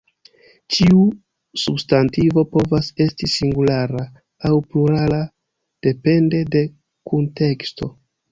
Ĉiu substantivo povas esti singulara aŭ plurala depende de kunteksto.